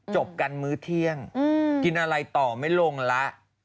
จบกันมื้อเที่ยงกินอะไรต่อไม่ลงละ